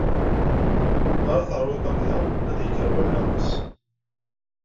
Mi ara terwiḍ tamda, ad d-ikker wallaɣ-is.